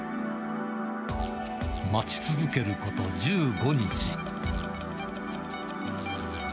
待ち続けること１５日。